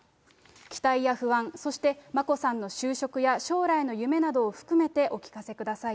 期待や不安、そして眞子さんの就職や将来の夢などを含めてお聞かせください。